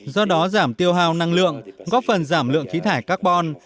do đó giảm tiêu hào năng lượng góp phần giảm lượng khí thải carbon